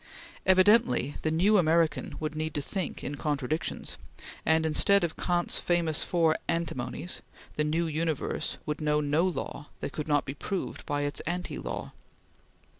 Evidently the new American would need to think in contradictions, and instead of Kant's famous four antinomies, the new universe would know no law that could not be proved by its anti law.